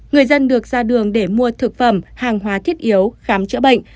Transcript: người dân được ra đường để mua thực phẩm hàng hóa thiết yếu khám chữa bệnh